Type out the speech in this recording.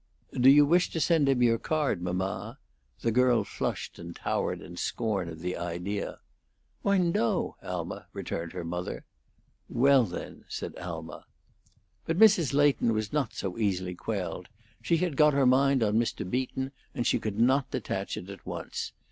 "Do you wish to send him your card, mamma?" The girl flushed and towered in scorn of the idea. "Why, no, Alma," returned her mother. "Well, then," said Alma. But Mrs. Leighton was not so easily quelled. She had got her mind on Mr. Beaton, and she could not detach it at once.